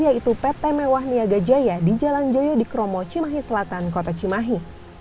yaitu pt mewah niaga jaya di jalan joyo di kromo cimahi selatan kota cimahi